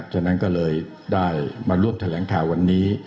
ฉะนั้นก็เลยได้มาร่วมแถลงข่าววันนี้